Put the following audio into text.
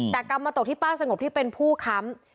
แต่กรรมมาตกที่ป้าสงบที่เป็นผู้ค้ำ